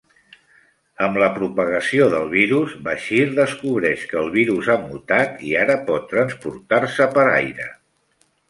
Amb la propagació del virus, Bashir descobreix que el virus ha mutat i ara pot transportar-se per aire.